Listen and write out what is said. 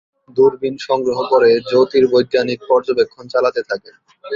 দূরবীন সংগ্রহ করে জ্যোতির্বৈজ্ঞানিক পর্যবেক্ষণ চালাতে থাকেন।